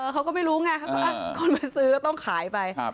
เขาก็ไม่รู้ไงคนมาซื้อก็ต้องขายไป